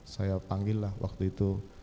saya panggillah waktu itu